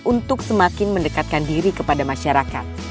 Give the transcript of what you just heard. untuk semakin mendekatkan diri kepada masyarakat